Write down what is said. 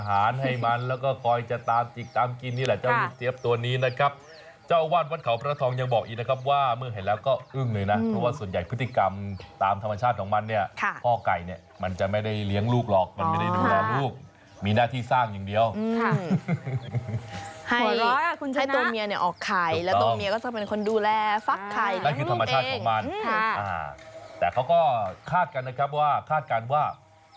ไก่ไก่ไก่ไก่ไก่ไก่ไก่ไก่ไก่ไก่ไก่ไก่ไก่ไก่ไก่ไก่ไก่ไก่ไก่ไก่ไก่ไก่ไก่ไก่ไก่ไก่ไก่ไก่ไก่ไก่ไก่ไก่ไก่ไก่ไก่ไก่ไก่ไก่ไก่ไก่ไก่ไก่ไก่ไก่ไก่ไก่ไก่ไก่ไก่ไก่ไก่ไก่ไก่ไก่ไก่ไ